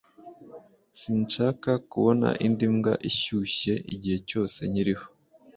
Sinshaka kubona indi mbwa ishyushye igihe cyose nkiriho